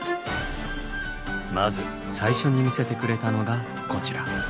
まず最初に見せてくれたのがこちら。